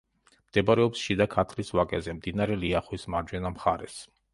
მდებარეობს შიდა ქართლის ვაკეზე, მდინარე ლიახვის მარჯვენა მხარეს.